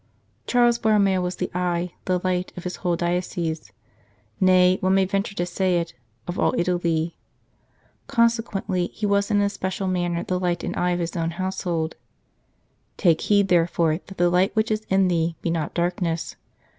Charles Borromeo was the eye, the light, of his whole diocese nay, one may venture to say it, of all Italy ; consequently he was in an especial manner the light and the eye of his own household. " Take heed, therefore, that the light which is in thee be not darkness.